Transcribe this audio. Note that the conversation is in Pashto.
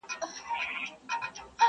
کلونه وروسته هم يادېږي تل.